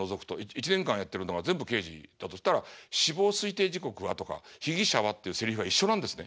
１年間やってるのは全部刑事だとしたら「死亡推定時刻は？」とか「被疑者は？」っていうセリフが一緒なんですね。